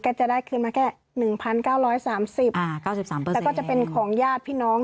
ก็จะได้คืนมาแค่๑๙๓๐๙๓แต่ก็จะเป็นของญาติพี่น้อง